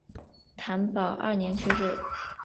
康保二年去世。